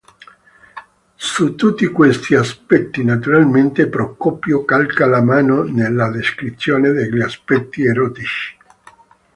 Su tutti questi aspetti naturalmente Procopio calca la mano nella descrizione degli aspetti erotici.